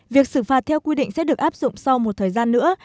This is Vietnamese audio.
việc xử phạt theo quy định sẽ được áp dụng sau một thời gian nữa